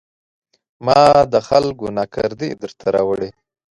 ما د خلکو ناکردې درته راوړي